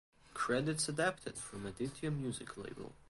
Credits adapted from Aditya Music Label.